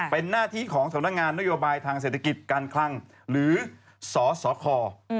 เป็นหน้าที่ของสำนักงานนโยบายทางเศรษฐกิจการคลังหรือสสค